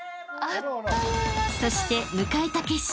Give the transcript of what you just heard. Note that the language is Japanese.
［そして迎えた決勝］